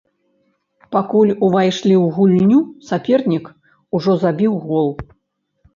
Пакуль увайшлі ў гульню, сапернік ужо забіў гол.